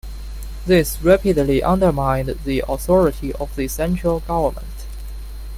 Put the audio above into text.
This rapidly undermined the authority of the central government.